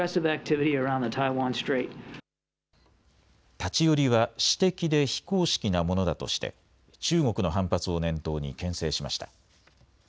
立ち寄りは私的で非公式なものだとして中国の反発を念頭にけん制しました。